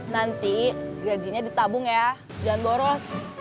nanti gajinya ditabung ya jangan boros